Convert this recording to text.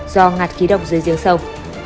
do ngạt khí độc dưới giếng sâu